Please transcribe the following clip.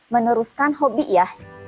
meneruskan hobi ya